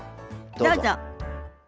どうぞ。